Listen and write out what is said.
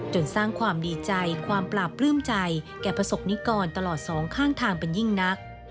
สร้างความดีใจความปราบปลื้มใจแก่ประสบนิกรตลอดสองข้างทางเป็นยิ่งนัก